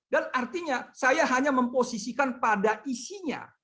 dan artinya saya hanya memposisikan pada isinya